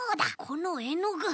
このえのぐ。